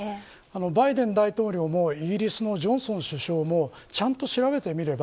バイデン大統領もイギリスのジョンソン首相もちゃんと調べれば